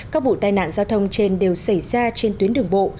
các vụ tai nạn giao thông trên đều xảy ra trên tuyến đường bộ